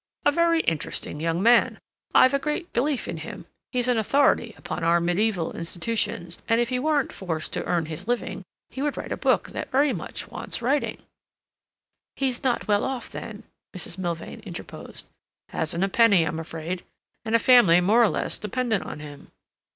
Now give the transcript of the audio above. "A very interesting young man. I've a great belief in him. He's an authority upon our mediaeval institutions, and if he weren't forced to earn his living he would write a book that very much wants writing—" "He is not well off, then?" Mrs. Milvain interposed. "Hasn't a penny, I'm afraid, and a family more or less dependent on him."